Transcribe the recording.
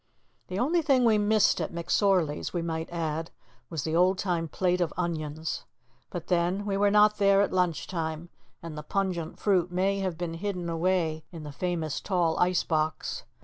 The only thing we missed at McSorley's, we might add, was the old time plate of onions. But then we were not there at lunch time, and the pungent fruit may have been hidden away in the famous tall ice box.